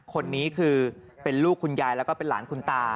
คนนี้คือเป็นลูกคุณยายแล้วก็เป็นหลานคุณตา